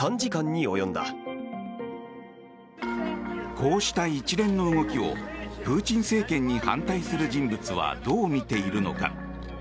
こうした一連の動きをプーチン政権に反対する人物はどう見ているのか。